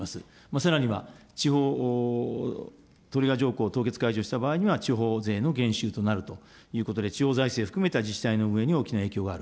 さらには、地方、トリガー条項凍結解除した場合には、地方税の減収になるということで、地方財政含めた自治体の運営に大きな影響がある。